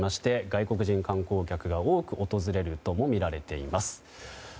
外国人観光客が多く訪れるともみられています。